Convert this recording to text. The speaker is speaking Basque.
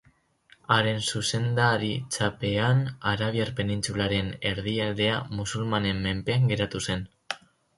Haren zuzendaritzapean Arabiar Penintsularen erdialdea musulmanen menpean geratu zen.